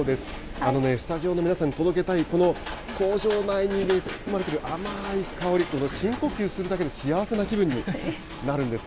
あのね、スタジオの皆さんに届けたい、この工場内に包まれている甘い香り、この深呼吸するだけで幸せな気分になるんです。